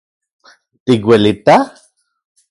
¿Tikuelita?